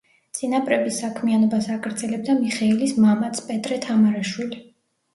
წინაპრების საქმიანობას აგრძელებდა მიხეილის მამაც, პეტრე თამარაშვილი.